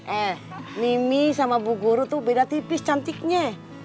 eh mimi sama bu guru tuh beda tipis cantiknya